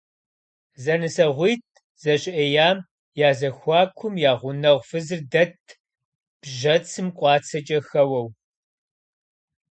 ЗэнысэгъуитӀ зэщыӀеям я зэхуакум я гъунэгъу фызыр дэтт, бжьэцым къуацэкӀэ хэуэу.